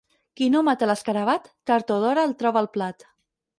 Qui no mata l'escarabat, tard o d'hora el troba al plat.